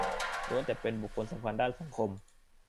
ล้วนแต่เป็นบุคลสำคัญด้านสังคม